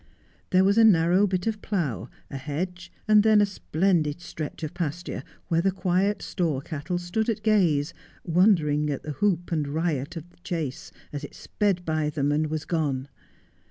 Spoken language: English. There was a narrow bit of plough, a hedge, and then a splendid stretch of pasture, where the quiet store cattle stood at gaze, wondering at the whoop and riot of the chase, as it sped by them and was gone.